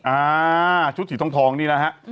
อ่าชุดสีทองนี่นะฮะ